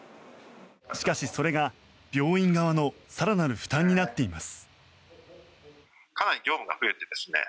しかし、それが病院側の更なる負担になっています。